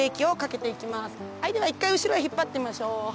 はいでは１回後ろへ引っ張ってみましょう。